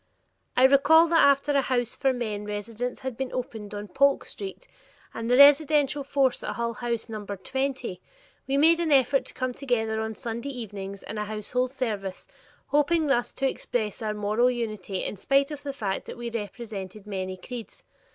I recall that after a house for men residents had been opened on Polk Street and the residential force at Hull House numbered twenty, we made an effort to come together on Sunday evenings in a household service, hoping thus to express our moral unity in spite of the fact that we represented many creeds.